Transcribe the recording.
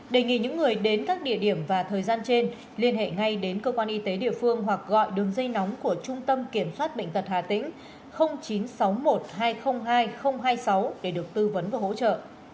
đề nghị những người đến các địa điểm và thời gian trên liên hệ ngay đến cơ quan y tế địa phương hoặc gọi đường dây nóng của trung tâm kiểm soát bệnh tật hà tĩnh chín trăm sáu mươi một hai trăm linh hai hai mươi sáu để được tư vấn và hỗ trợ